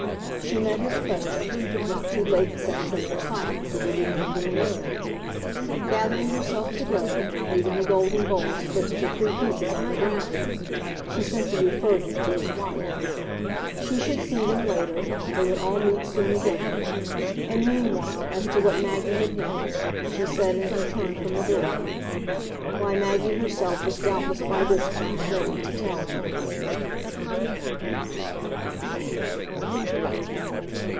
She met his question not too late, since, in their silence, it had remained in the air. Gathering herself to go, leaving the golden bowl split into three pieces on the ground, she simply referred him to his wife. She should see them later, they would all meet soon again; and meanwhile, as to what Maggie had meant she said, in her turn, from the door why, Maggie herself was doubtless by this time ready to tell him.